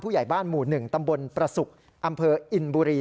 ใหญ่บ้านหมู่๑ตำบลประสุกอำเภออินบุรี